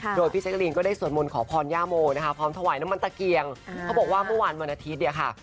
โดยพี่แจ๊กรีนก็ได้สวดมนต์ขอพรย่าโมนะคะพร้อมถวายน้ำมันตะเกียงเขาบอกว่าเมื่อวานวันอาทิตย์เนี่ยค่ะ